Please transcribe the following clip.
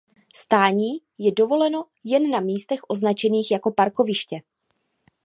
Stání je dovoleno jen na místech označených jako parkoviště.